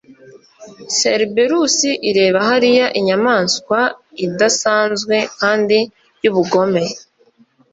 Cerberus ireba hariya inyamaswa idasanzwe kandi yubugome